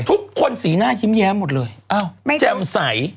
ทุกคนสีหน้ายิ้มแย้มหมดเลยอ้าวแจ่มใส